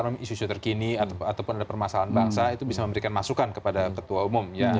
kalau isu isu terkini ataupun ada permasalahan bangsa itu bisa memberikan masukan kepada ketua umum ya